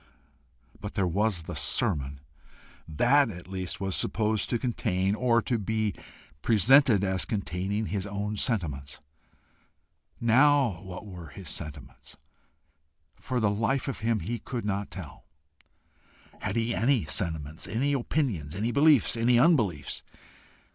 But there was the sermon! That at least was supposed to contain, or to be presented as containing, his own sentiments. Now what were his sentiments? For the life of him he could not tell. Had he ANY sentiments, any opinions, any beliefs, any unbeliefs?